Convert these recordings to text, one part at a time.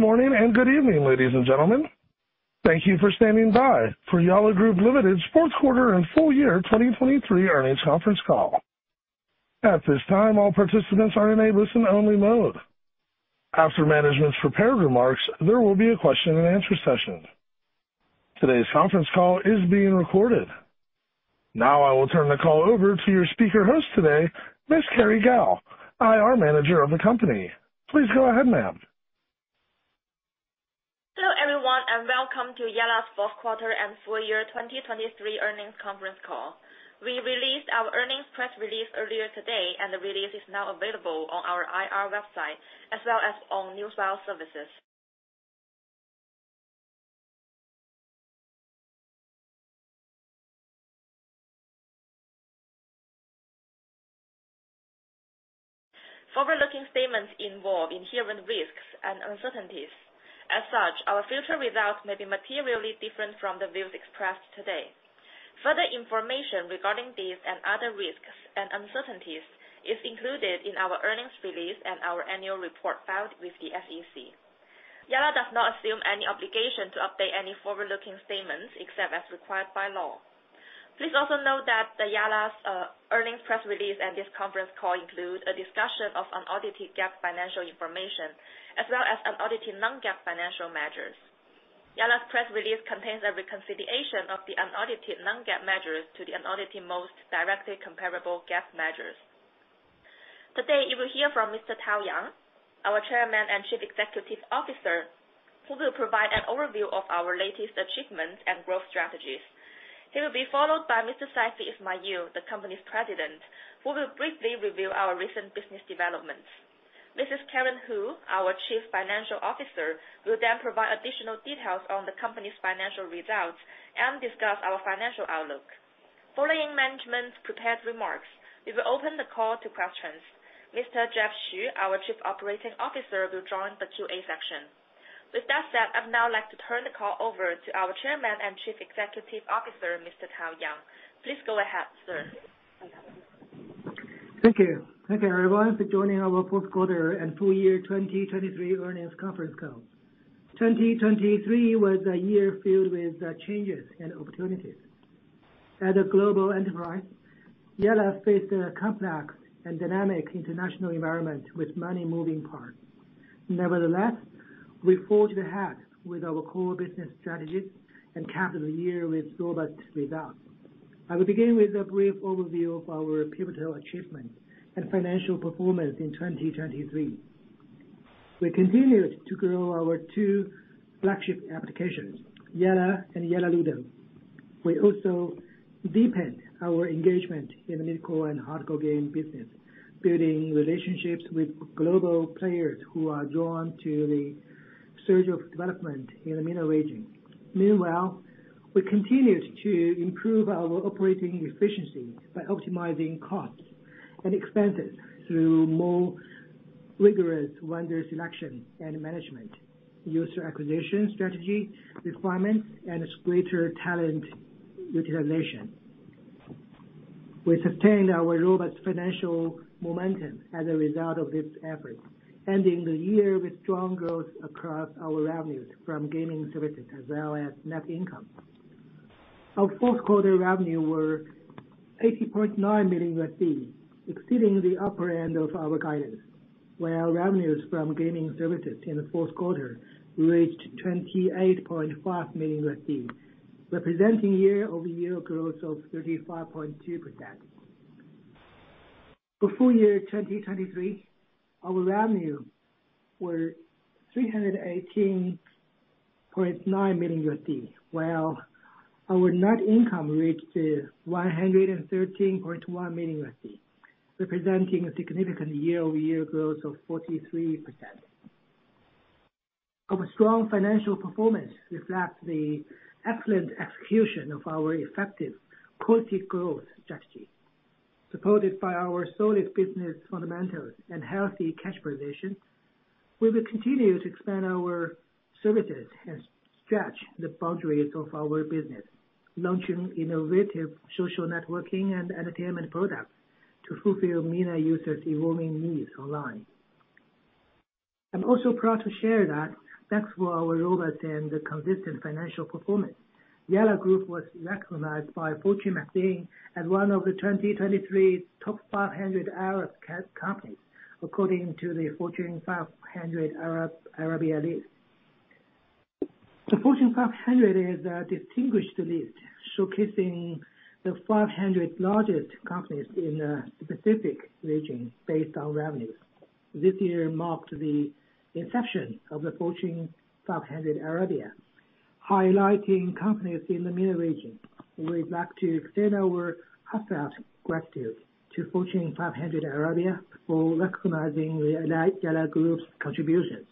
Good morning and good evening, ladies and gentlemen. Thank you for standing by for Yalla Group Limited fourth quarter and full year 2023 earnings conference call. At this time, all participants are in a listen-only mode. After management's prepared remarks, there will be a question-and-answer session. Today's conference call is being recorded. Now, I will turn the call over to your speaker host today, Ms. Kerry Gao, IR Manager of the company. Please go ahead, ma'am. Hello, everyone, and welcome to Yalla's fourth quarter and full year 2023 earnings conference call. We released our earnings press release earlier today, and the release is now available on our IR website as well as on Newswire services. Forward-looking statements involve inherent risks and uncertainties. As such, our future results may be materially different from the views expressed today. Further information regarding these and other risks and uncertainties is included in our earnings release and our annual report filed with the SEC. Yalla does not assume any obligation to update any forward-looking statements except as required by law. Please also note that Yalla's earnings press release and this conference call include a discussion of unaudited GAAP financial information, as well as unaudited non-GAAP financial measures. Yalla's press release contains a reconciliation of the unaudited non-GAAP measures to the unaudited most directly comparable GAAP measures. Today, you will hear from Mr. Tao Yang, our Chairman and Chief Executive Officer, who will provide an overview of our latest achievements and growth strategies. He will be followed by Mr. Saifi Ismail, the company's President, who will briefly review our recent business developments. Mrs. Karen Hu, our Chief Financial Officer, will then provide additional details on the company's financial results and discuss our financial outlook. Following management's prepared remarks, we will open the call to questions. Mr. Jeff Xu, our Chief Operating Officer, will join the Q&A session. With that said, I'd now like to turn the call over to our Chairman and Chief Executive Officer, Mr. Tao Yang. Please go ahead, sir. Thank you. Thank you, everyone, for joining our fourth quarter and full year 2023 earnings conference call. 2023 was a year filled with changes and opportunities. As a global enterprise, Yalla faced a complex and dynamic international environment with many moving parts. Nevertheless, we forged ahead with our core business strategies and capped the year with robust results. I will begin with a brief overview of our pivotal achievements and financial performance in 2023. We continued to grow our two flagship applications, Yalla and Yalla Ludo. We also deepened our engagement in the mid-core and hardcore game business, building relationships with global players who are drawn to the surge of development in the MENA region. Meanwhile, we continued to improve our operating efficiency by optimizing costs and expenses through more rigorous vendor selection and management, user acquisition, strategy, requirements, and greater talent utilization. We sustained our robust financial momentum as a result of this effort, ending the year with strong growth across our revenues from gaming services as well as net income. Our fourth quarter revenue were $80.9 million, exceeding the upper end of our guidance, where our revenues from gaming services in the fourth quarter reached $28.5 million, representing year-over-year growth of 35.2%. For full year 2023, our revenue were $318.9 million, while our net income reached $113.1 million, representing a significant year-over-year growth of 43%. Our strong financial performance reflects the excellent execution of our effective quality growth strategy. Supported by our solid business fundamentals and healthy cash position, we will continue to expand our services and stretch the boundaries of our business, launching innovative social networking and entertainment products to fulfill MENA users' evolving needs online. I'm also proud to share that thanks to our robust and consistent financial performance, Yalla Group was recognized by Fortune magazine as one of the 2023 top 500 Arab companies, according to the Fortune 500 Arabia list. The Fortune 500 is a distinguished list, showcasing the 500 largest companies in a specific region based on revenues. This year marked the inception of the Fortune 500 Arabia, highlighting companies in the MENA region. We'd like to extend our heartfelt gratitude to Fortune 500 Arabia for recognizing the Yalla Group's contributions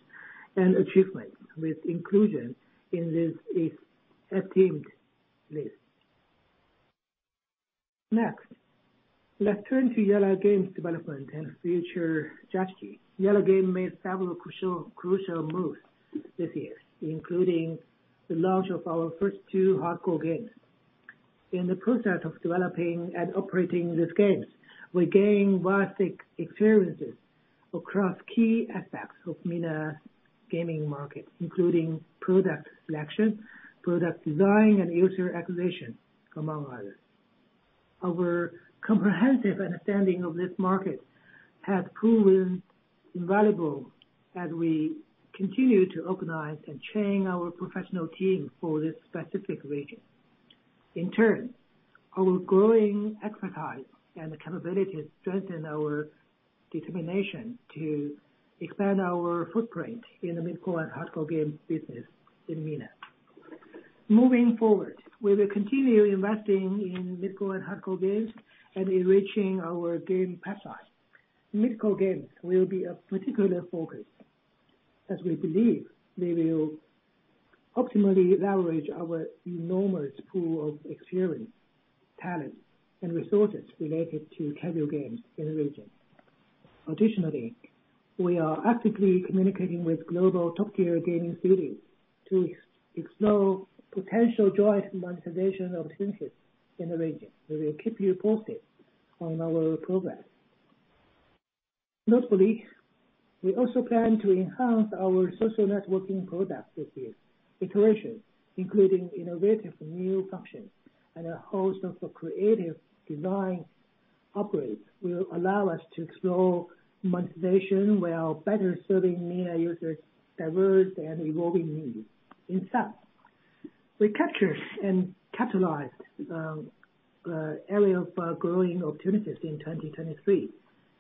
and achievements with inclusion in this esteemed list. Next, let's turn to Yalla Games development and future strategy. Yalla Game made several crucial, crucial moves this year, including the launch of our first two hardcore games. In the process of developing and operating these games, we gain vast experiences across key aspects of MENA gaming market, including product selection, product design, and user acquisition, among others. Our comprehensive understanding of this market has proven invaluable as we continue to organize and train our professional team for this specific region. In turn, our growing expertise and capabilities strengthen our determination to expand our footprint in the mid-core and hardcore game business in MENA. Moving forward, we will continue investing in mid-core and hardcore games and enriching our game pipeline. Mid-core games will be a particular focus, as we believe they will optimally leverage our enormous pool of experience, talent, and resources related to casual games in the region. Additionally, we are actively communicating with global top-tier gaming studios to explore potential joint monetization opportunities in the region. We will keep you posted on our progress. Notably, we also plan to enhance our social networking product with this iteration, including innovative new functions and a host of creative design upgrades will allow us to explore monetization while better serving MENA users' diverse and evolving needs. In sum, we captured and capitalized area of growing opportunities in 2023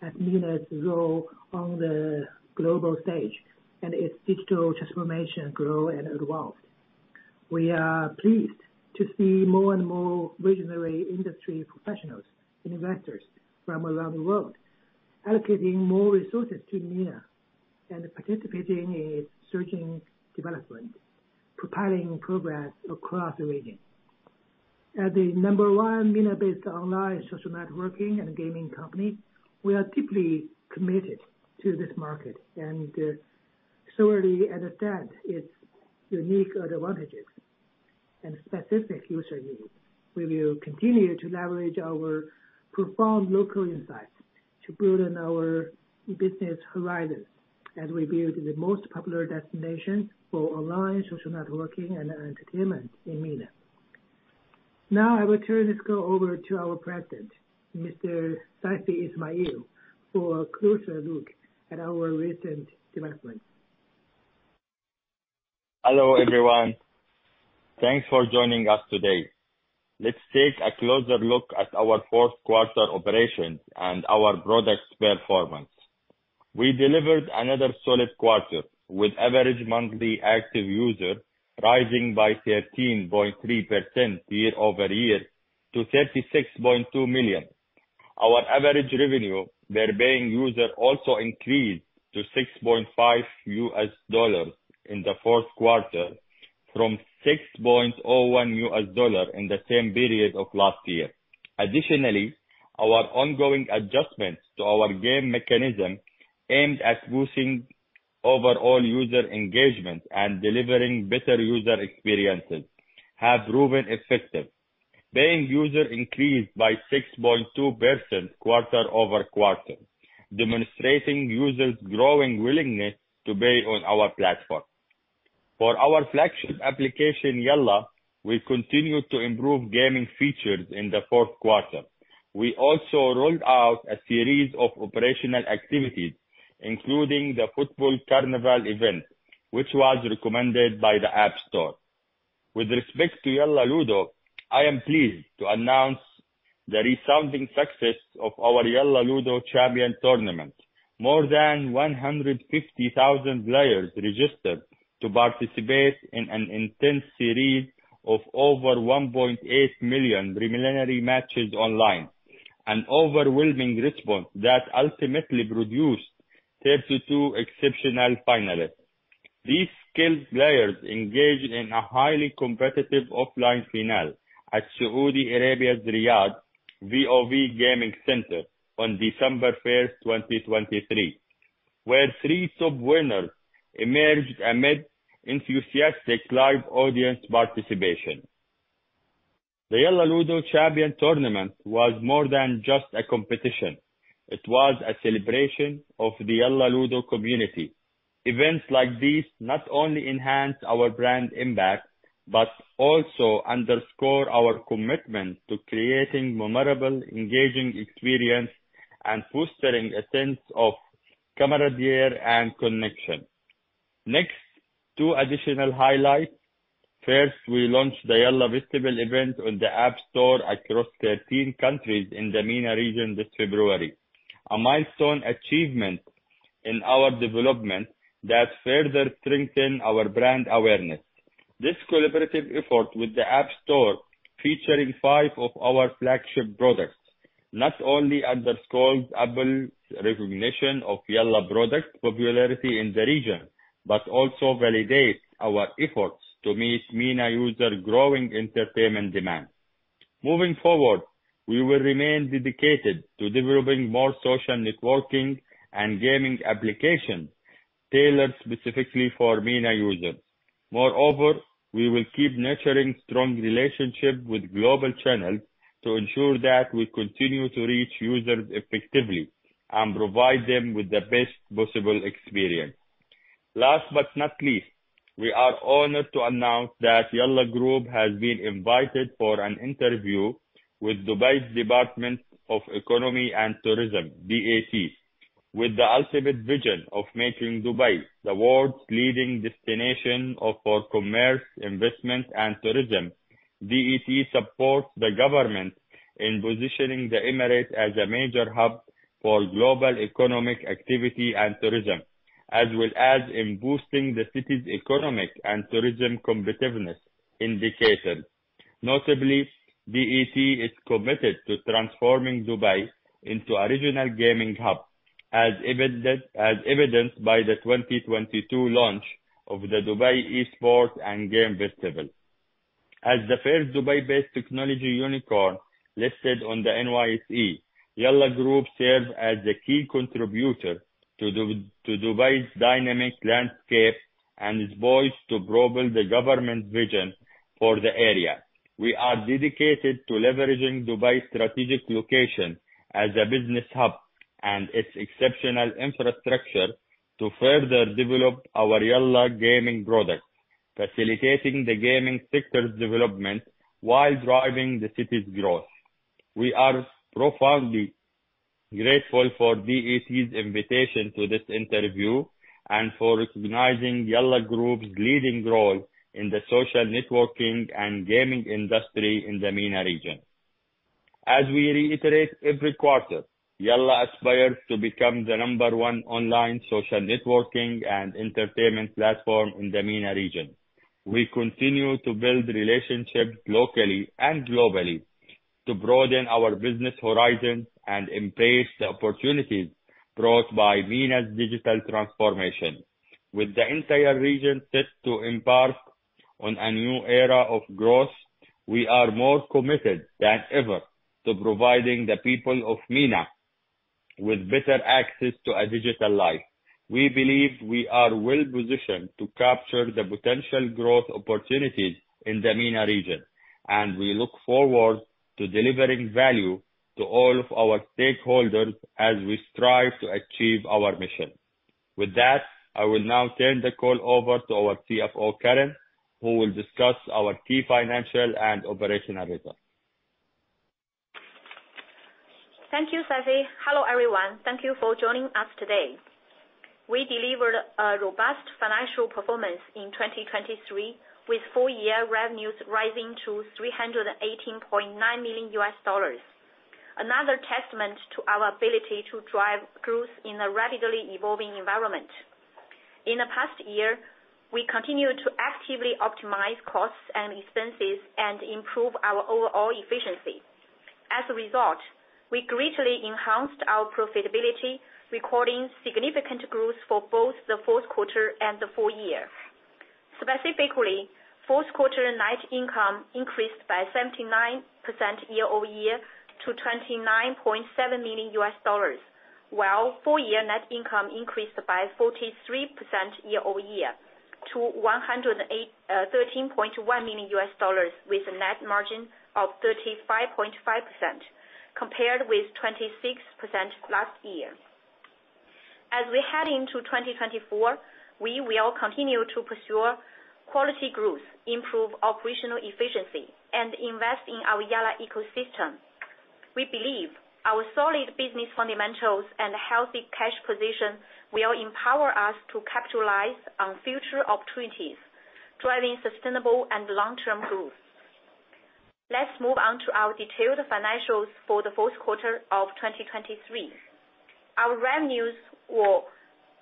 as MENA's role on the global stage and its digital transformation grow and evolve. We are pleased to see more and more visionary industry professionals and investors from around the world allocating more resources to MENA and participating in its surging development, propelling progress across the region. As the number one MENA-based online social networking and gaming company, we are deeply committed to this market and thoroughly understand its unique advantages and specific user needs. We will continue to leverage our profound local insights to broaden our business horizons as we build the most popular destinations for online social networking and entertainment in MENA. Now, I will turn this call over to our president, Mr. Saifi Ismail, for a closer look at our recent developments. Hello, everyone. Thanks for joining us today. Let's take a closer look at our fourth quarter operations and our products' performance. We delivered another solid quarter, with average monthly active user rising by 13.3% year-over-year to 36.2 million. Our average revenue per paying user also increased to $6.5 in the fourth quarter from $6.01 in the same period of last year. Additionally, our ongoing adjustments to our game mechanism, aimed at boosting overall user engagement and delivering better user experiences, have proven effective. Paying user increased by 6.2% quarter-over-quarter, demonstrating users' growing willingness to pay on our platform. For our flagship application, Yalla, we continued to improve gaming features in the fourth quarter. We also rolled out a series of operational activities, including the Football Carnival event, which was recommended by the App Store. With respect to Yalla Ludo, I am pleased to announce the resounding success of our Yalla Ludo Champion Tournament. More than 150,000 players registered to participate in an intense series of over 1.8 million preliminary matches online, an overwhelming response that ultimately produced 32 exceptional finalists. These skilled players engaged in a highly competitive offline finale at Saudi Arabia's Riyadh VOV Gaming Center on December 1, 2023, where three top winners emerged amid enthusiastic live audience participation. The Yalla Ludo Champion Tournament was more than just a competition. It was a celebration of the Yalla Ludo community. Events like these not only enhance our brand impact, but also underscore our commitment to creating memorable, engaging experience, and fostering a sense of camaraderie and connection. Next, two additional highlights. First, we launched the Yalla Festival event on the App Store across 13 countries in the MENA region this February, a milestone achievement in our development that further strengthen our brand awareness. This collaborative effort with the App Store, featuring five of our flagship products, not only underscores Apple's recognition of Yalla product popularity in the region, but also validates our efforts to meet MENA user growing entertainment demand. Moving forward. We will remain dedicated to developing more social networking and gaming applications tailored specifically for MENA users. Moreover, we will keep nurturing strong relationships with global channels to ensure that we continue to reach users effectively and provide them with the best possible experience. Last but not least, we are honored to announce that Yalla Group has been invited for an interview with Dubai's Department of Economy and Tourism, DET. With the ultimate vision of making Dubai the world's leading destination for commerce, investment, and tourism, DET supports the government in positioning the emirate as a major hub for global economic activity and tourism, as well as in boosting the city's economic and tourism competitiveness indicators. Notably, DET is committed to transforming Dubai into a regional gaming hub, as evidenced by the 2022 launch of the Dubai Esports and Games Festival. As the first Dubai-based technology unicorn listed on the NYSE, Yalla Group serves as a key contributor to Dubai's dynamic landscape and is poised to broaden the government's vision for the area. We are dedicated to leveraging Dubai's strategic location as a business hub and its exceptional infrastructure to further develop our Yalla gaming products, facilitating the gaming sector's development while driving the city's growth. We are profoundly grateful for DET's invitation to this interview and for recognizing Yalla Group's leading role in the social networking and gaming industry in the MENA region. As we reiterate every quarter, Yalla aspires to become the number one online social networking and entertainment platform in the MENA region. We continue to build relationships locally and globally to broaden our business horizons and embrace the opportunities brought by MENA's digital transformation. With the entire region set to embark on a new era of growth, we are more committed than ever to providing the people of MENA with better access to a digital life. We believe we are well-positioned to capture the potential growth opportunities in the MENA region, and we look forward to delivering value to all of our stakeholders as we strive to achieve our mission. With that, I will now turn the call over to our CFO, Karen, who will discuss our key financial and operational results. Thank you, Saifi. Hello, everyone. Thank you for joining us today. We delivered a robust financial performance in 2023, with full year revenues rising to $318.9 million. Another testament to our ability to drive growth in a rapidly evolving environment. In the past year, we continued to actively optimize costs and expenses and improve our overall efficiency. As a result, we greatly enhanced our profitability, recording significant growth for both the fourth quarter and the full year. Specifically, fourth quarter net income increased by 79% year over year to $29.7 million, while full year net income increased by 43% year over year to $108.13 million, with a net margin of 35.5%, compared with 26% last year. As we head into 2024, we will continue to pursue quality growth, improve operational efficiency, and invest in our Yalla ecosystem. We believe our solid business fundamentals and healthy cash position will empower us to capitalize on future opportunities, driving sustainable and long-term growth. Let's move on to our detailed financials for the fourth quarter of 2023. Our revenues were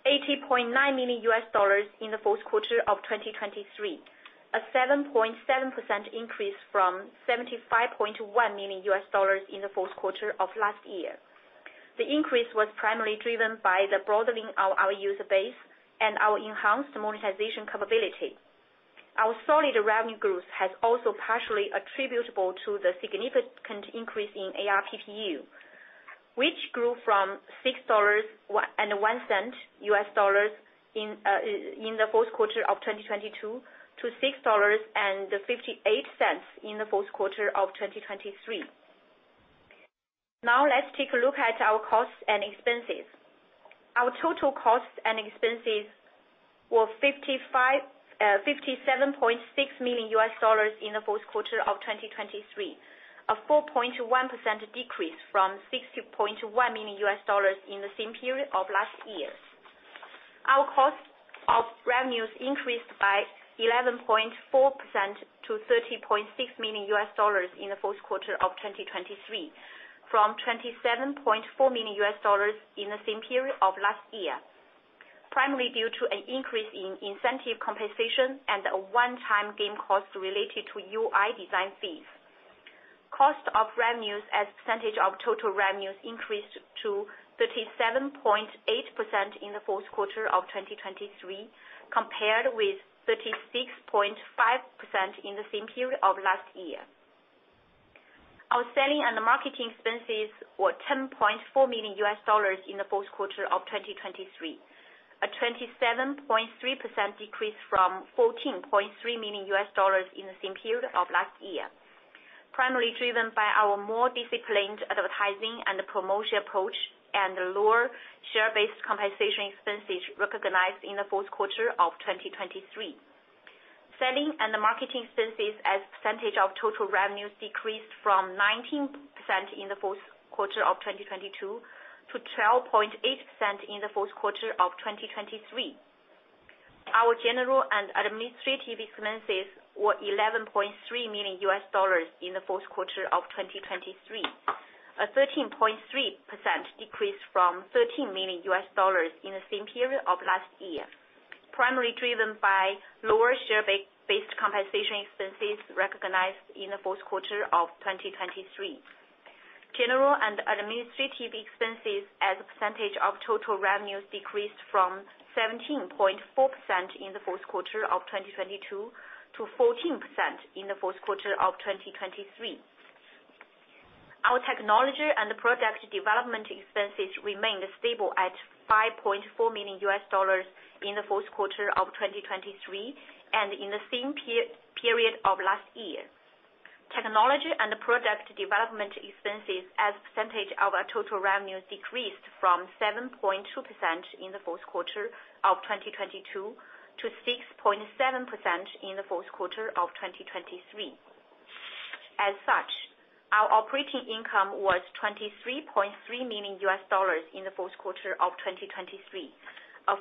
$80.9 million in the fourth quarter of 2023, a 7.7% increase from $75.1 million in the fourth quarter of last year. The increase was primarily driven by the broadening of our user base and our enhanced monetization capability. Our solid revenue growth has also partially attributable to the significant increase in ARPPU, which grew from $6.01 in the fourth quarter of 2022 to $6.58 in the fourth quarter of 2023. Now, let's take a look at our costs and expenses. Our total costs and expenses were $57.6 million in the fourth quarter of 2023, a 4.1% decrease from $60.1 million in the same period of last year. Our cost of revenues increased by 11.4% to $30.6 million in the fourth quarter of 2023, from $27.4 million in the same period of last year, primarily due to an increase in incentive compensation and a one-time game cost related to UI design fees. Cost of revenues as a percentage of total revenues increased to 37.8% in the fourth quarter of 2023, compared with 36.5% in the same period of last year. Our selling and marketing expenses were $10.4 million in the fourth quarter of 2023, a 27.3% decrease from $14.3 million in the same period of last year, primarily driven by our more disciplined advertising and promotion approach, and the lower share-based compensation expenses recognized in the fourth quarter of 2023. Selling and marketing expenses as a percentage of total revenues decreased from 19% in the fourth quarter of 2022 to 12.8% in the fourth quarter of 2023. Our general and administrative expenses were $11.3 million in the fourth quarter of 2023, a 13.3% decrease from $13 million in the same period of last year, primarily driven by lower share-based compensation expenses recognized in the fourth quarter of 2023. General and administrative expenses as a percentage of total revenues decreased from 17.4% in the fourth quarter of 2022 to 14% in the fourth quarter of 2023. Our technology and product development expenses remained stable at $5.4 million in the fourth quarter of 2023, and in the same period of last year. Technology and product development expenses as a percentage of our total revenues decreased from 7.2% in the fourth quarter of 2022 to 6.7% in the fourth quarter of 2023. As such, our operating income was $23.3 million in the fourth quarter of 2023, a 55.2%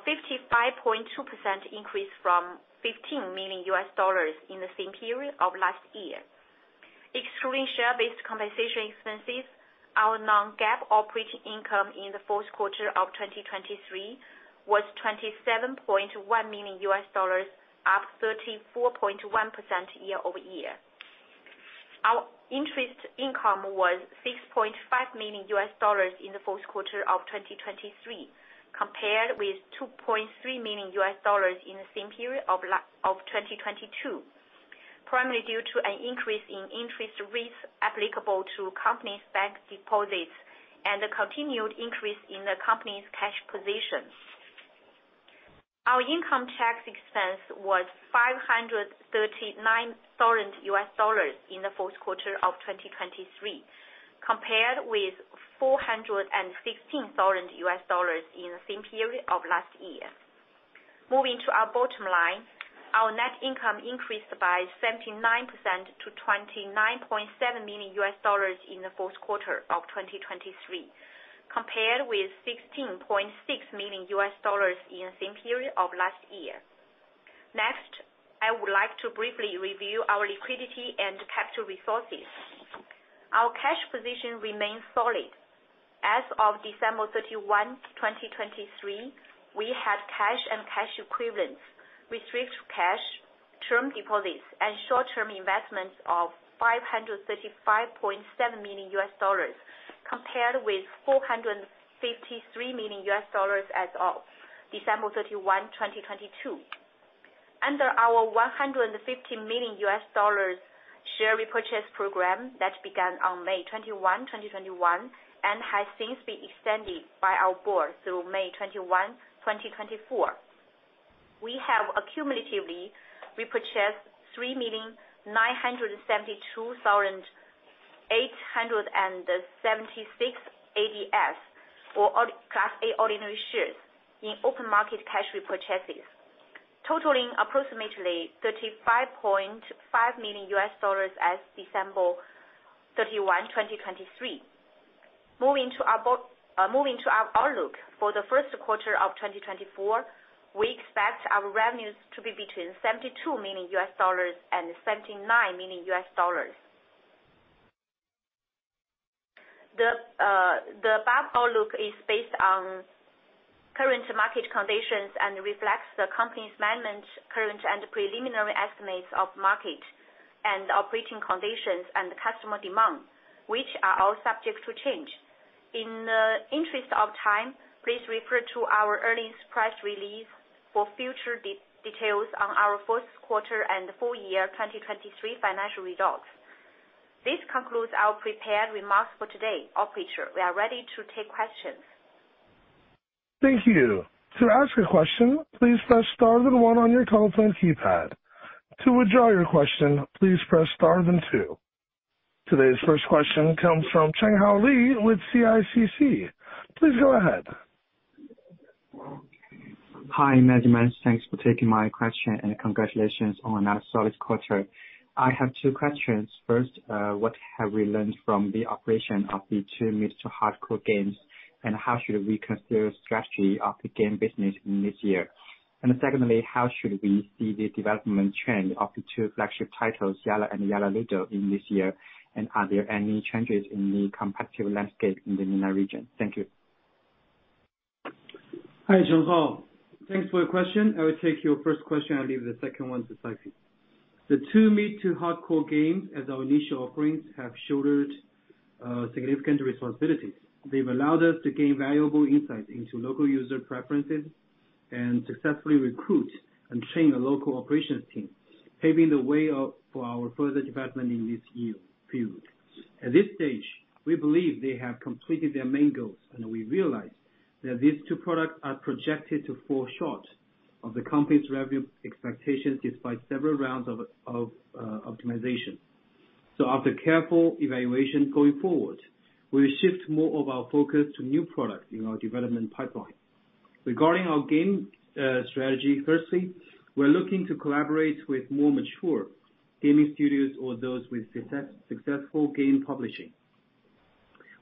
increase from $15 million in the same period of last year. Excluding share-based compensation expenses, our non-GAAP operating income in the fourth quarter of 2023 was $27.1 million, up 34.1% year-over-year. Our interest income was $6.5 million in the fourth quarter of 2023, compared with $2.3 million in the same period of 2022, primarily due to an increase in interest rates applicable to company's bank deposits and a continued increase in the company's cash position. Our income tax expense was $539 thousand in the fourth quarter of 2023, compared with $416 thousand in the same period of last year. Moving to our bottom line, our net income increased by 79% to $29.7 million in the fourth quarter of 2023, compared with $16.6 million in the same period of last year. Next, I would like to briefly review our liquidity and capital resources. Our cash position remains solid. As of December 31, 2023, we had cash and cash equivalents, restricted cash, term deposits, and short-term investments of $535.7 million, compared with $453 million as of December 31, 2022. Under our $150 million share repurchase program that began on May 21, 2021, and has since been extended by our board through May 21, 2024, we have accumulatively repurchased 3,972,876 ADS, or Class A ordinary shares in open market cash repurchases, totaling approximately $35.5 million as December 31, 2023. Moving to our outlook for the first quarter of 2024, we expect our revenues to be between $72 million and $79 million. The above outlook is based on current market conditions and reflects the company's management, current and preliminary estimates of market and operating conditions and customer demand, which are all subject to change. In the interest of time, please refer to our earnings press release for future details on our fourth quarter and full year 2023 financial results. This concludes our prepared remarks for today. Operator, we are ready to take questions. Thank you. To ask a question, please press star then one on your telephone keypad. To withdraw your question, please press star then two. Today's first question comes from Chenghao Li with CICC. Please go ahead. Hi, management. Thanks for taking my question, and congratulations on another solid quarter. I have two questions. First, what have we learned from the operation of the two mid-core to hardcore games, and how should we consider strategy of the game business in this year? Secondly, how should we see the development trend of the two flagship titles, Yalla and Yalla Ludo, in this year? Are there any changes in the competitive landscape in the MENA region? Thank you. Hi, Chenghao. Thanks for your question. I will take your first question and leave the second one to Saifi. The two mid to hardcore games as our initial offerings have shouldered...... significant responsibilities. They've allowed us to gain valuable insights into local user preferences and successfully recruit and train a local operations team, paving the way up for our further development in this year period. At this stage, we believe they have completed their main goals, and we realize that these two products are projected to fall short of the company's revenue expectations, despite several rounds of optimization. So after careful evaluation, going forward, we'll shift more of our focus to new products in our development pipeline. Regarding our game strategy, firstly, we're looking to collaborate with more mature gaming studios or those with successful game publishing.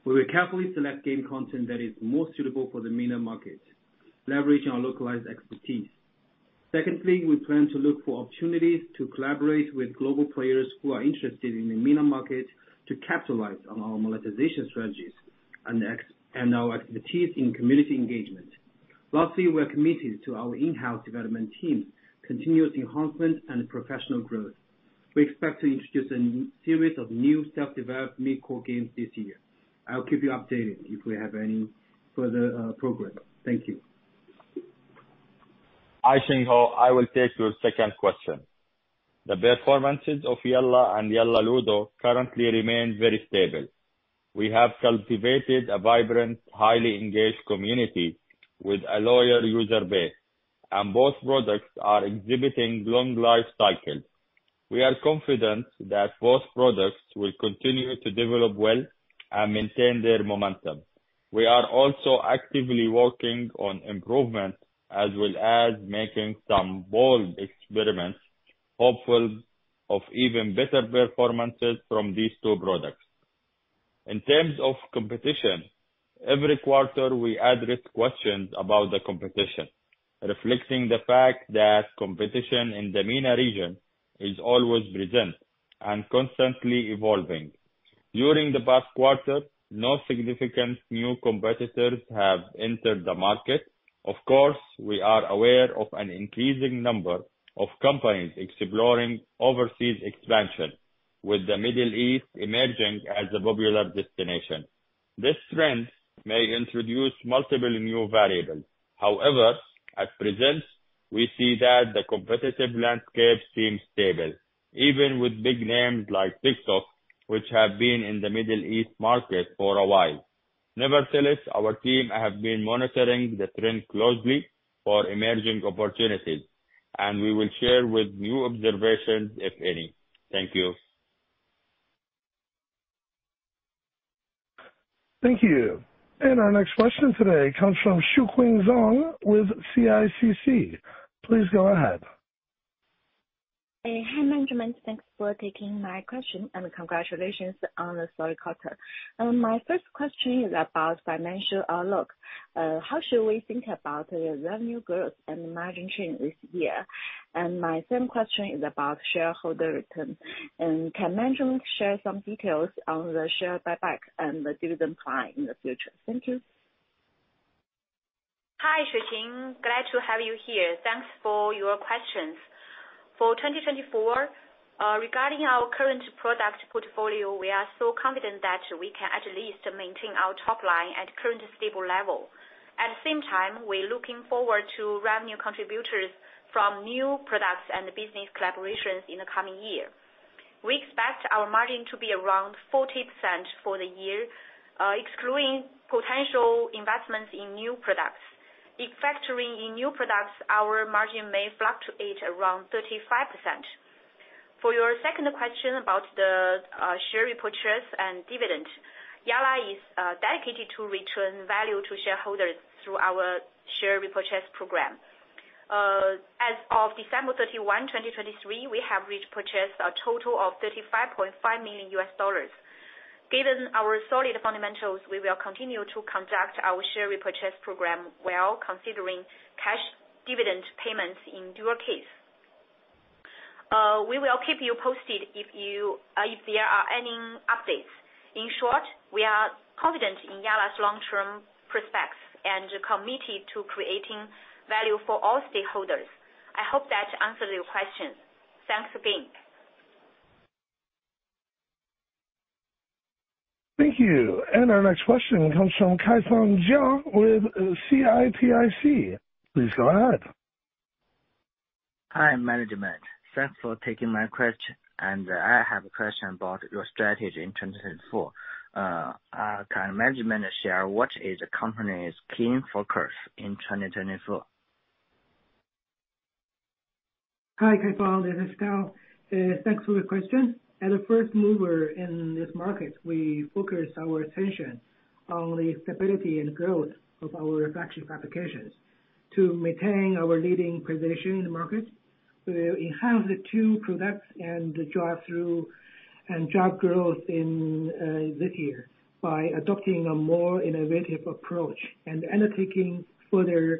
We will carefully select game content that is more suitable for the MENA market, leveraging our localized expertise. Secondly, we plan to look for opportunities to collaborate with global players who are interested in the MENA market, to capitalize on our monetization strategies and our expertise in community engagement. Lastly, we're committed to our in-house development team, continuous enhancement and professional growth. We expect to introduce a new series of new self-developed core games this year. I'll keep you updated if we have any further progress. Thank you. Hi, Chenghao, I will take your second question. The performances of Yalla and Yalla Ludo currently remain very stable. We have cultivated a vibrant, highly engaged community with a loyal user base, and both products are exhibiting long life cycles. We are confident that both products will continue to develop well and maintain their momentum. We are also actively working on improvement, as well as making some bold experiments, hopeful of even better performances from these two products. In terms of competition, every quarter, we address questions about the competition, reflecting the fact that competition in the MENA region is always present and constantly evolving. During the past quarter, no significant new competitors have entered the market. Of course, we are aware of an increasing number of companies exploring overseas expansion, with the Middle East emerging as a popular destination. This trend may introduce multiple new variables. However, at present, we see that the competitive landscape seems stable, even with big names like TikTok, which have been in the Middle East market for a while. Nevertheless, our team have been monitoring the trend closely for emerging opportunities, and we will share with new observations, if any. Thank you. Thank you. And our next question today comes from Xueqing Zhang with CICC. Please go ahead. Hi, management. Thanks for taking my question, and congratulations on the solid quarter. My first question is about financial outlook. How should we think about the revenue growth and margin change this year? My second question is about shareholder return. Can management share some details on the share buyback and the dividend plan in the future? Thank you. Hi, Xueqing. Glad to have you here. Thanks for your questions. For 2024, regarding our current product portfolio, we are so confident that we can at least maintain our top line at current stable level. At the same time, we're looking forward to revenue contributors from new products and business collaborations in the coming year. We expect our margin to be around 40% for the year, excluding potential investments in new products. If factoring in new products, our margin may fluctuate around 35%. For your second question about the share repurchase and dividend, Yalla is dedicated to return value to shareholders through our share repurchase program. As of December 31, 2023, we have repurchased a total of $35.5 million. Given our solid fundamentals, we will continue to conduct our share repurchase program, while considering cash dividend payments in due course. We will keep you posted if you, if there are any updates. In short, we are confident in Yalla's long-term prospects and committed to creating value for all stakeholders. I hope that answered your question. Thanks again. Thank you. And our next question comes from Kaifang Jiang with CITIC. Please go ahead. Hi, management. Thanks for taking my question. I have a question about your strategy in 2024. Can management share what is the company's key focus in 2024? Hi, Kaifang, this is Tao. Thanks for your question. As a first mover in this market, we focused our attention on the stability and growth of our existing applications. To maintain our leading position in the market, we will enhance the two products and drive through, and drive growth in this year by adopting a more innovative approach and undertaking further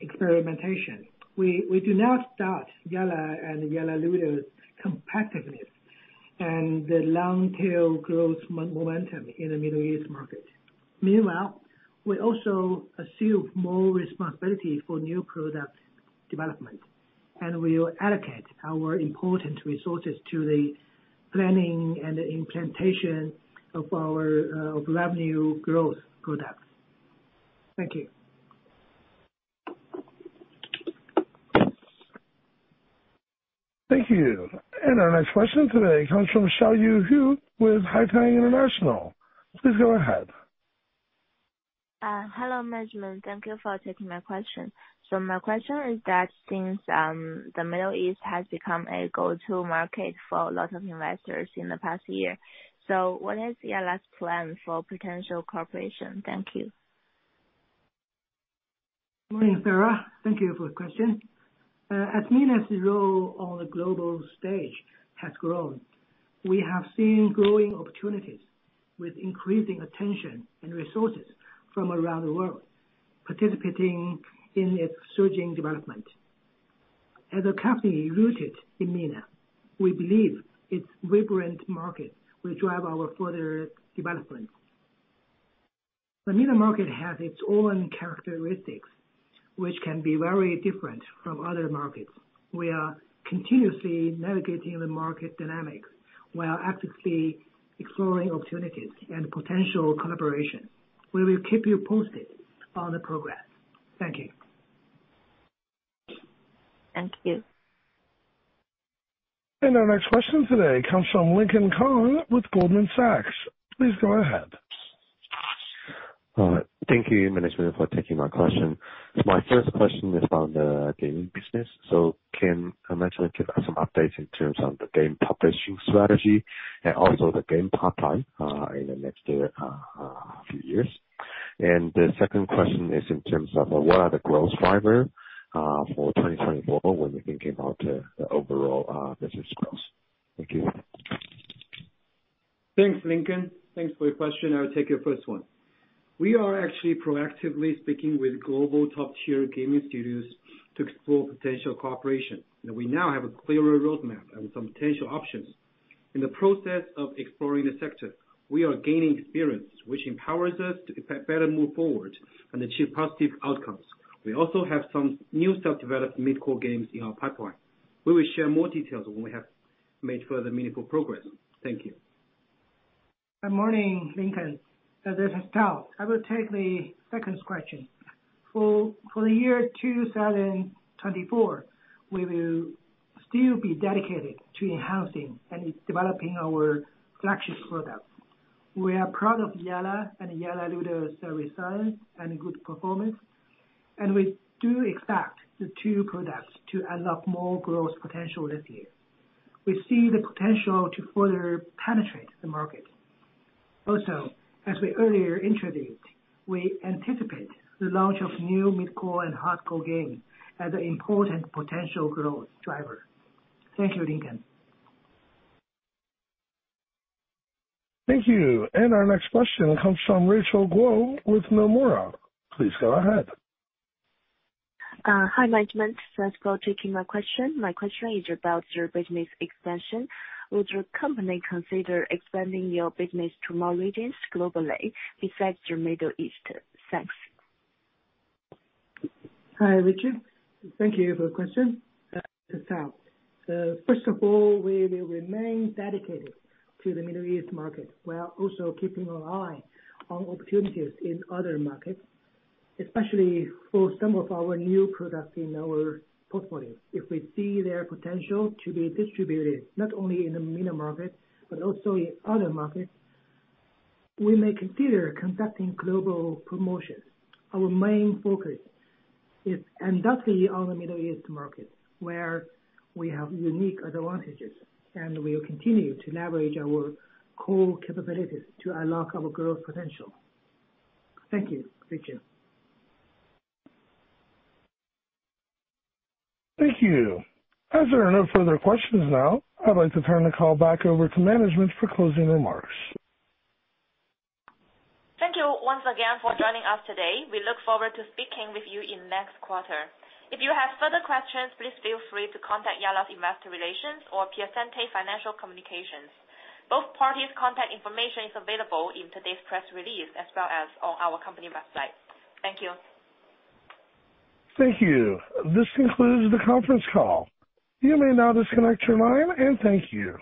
experimentation. We do not doubt Yalla and Yalla Ludo's competitiveness and the long tail growth momentum in the Middle East market. Meanwhile, we also assume more responsibility for new product development.... and we will allocate our important resources to the planning and the implementation of our revenue growth products. Thank you. Thank you. And our next question today comes from Xiaoyu Hu with Haitong International. Please go ahead. Hello, management. Thank you for taking my question. So my question is that since the Middle East has become a go-to market for a lot of investors in the past year, so what is Yalla's plan for potential cooperation? Thank you. Morning, Sarah, thank you for the question. As MENA's role on the global stage has grown, we have seen growing opportunities with increasing attention and resources from around the world, participating in its surging development. As a company rooted in MENA, we believe its vibrant market will drive our further development. The MENA market has its own characteristics, which can be very different from other markets. We are continuously navigating the market dynamics while actively exploring opportunities and potential collaboration. We will keep you posted on the progress. Thank you. Thank you. Our next question today comes from Lincoln Kong with Goldman Sachs. Please go ahead. Thank you, management, for taking my question. My first question is on the gaming business. So can management give us some updates in terms of the game publishing strategy and also the game pipeline, in the next few years? The second question is in terms of what are the growth driver for 2024, when you're thinking about the overall business growth? Thank you. Thanks, Lincoln. Thanks for your question. I'll take your first one. We are actually proactively speaking with global top-tier gaming studios to explore potential cooperation, and we now have a clearer roadmap and some potential options. In the process of exploring the sector, we are gaining experience, which empowers us to effect better move forward and achieve positive outcomes. We also have some new self-developed mid-core games in our pipeline. We will share more details when we have made further meaningful progress. Thank you. Good morning, Lincoln. This is Tao. I will take the second question. For the year 2024, we will still be dedicated to enhancing and developing our flagship products. We are proud of Yalla and Yalla Ludo service design and good performance, and we do expect the two products to unlock more growth potential this year. We see the potential to further penetrate the market. Also, as we earlier introduced, we anticipate the launch of new mid-core and hardcore games as an important potential growth driver. Thank you, Lincoln. Thank you. And our next question comes from Rachel Guo with Nomura. Please go ahead. Hi, management. Thanks for taking my question. My question is about your business expansion. Would your company consider expanding your business to more regions globally besides the Middle East? Thanks. Hi, Rachel. Thank you for the question. It's Tao. So first of all, we will remain dedicated to the Middle East market, while also keeping an eye on opportunities in other markets, especially for some of our new products in our portfolio. If we see their potential to be distributed, not only in the MENA market, but also in other markets, we may consider conducting global promotions. Our main focus is undoubtedly on the Middle East market, where we have unique advantages, and we will continue to leverage our core capabilities to unlock our growth potential. Thank you, Rachel. Thank you. As there are no further questions now, I'd like to turn the call back over to management for closing remarks. Thank you once again for joining us today. We look forward to speaking with you in next quarter. If you have further questions, please feel free to contact Yalla's Investor Relations or Piacente Financial Communications. Both parties' contact information is available in today's press release, as well as on our company website. Thank you. Thank you. This concludes the conference call. You may now disconnect your line, and thank you.